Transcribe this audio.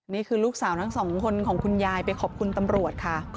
นี่คือลูกสาวทั้งสองคนของคุณยายไปขอบคุณตำรวจค่ะ